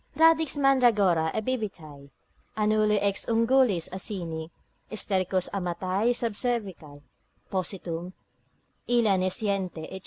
Radix mandragora ebibitae, Annuli ex ungulis Asini, Stercus amatae sub cervical positum, illa nesciente, &c.